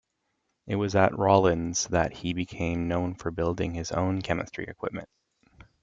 It was at Rollins that he became known for building his own chemistry equipment.